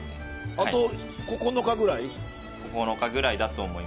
あと９日ぐらい？